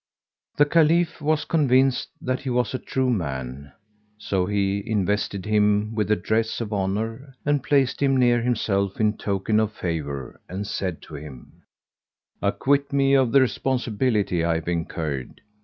The Caliph was convinced that he was a true man; so he invested him with a dress of honour, and placed him near himself in token of favour, and said to him, "Acquit me of the responsibility I have incurred.''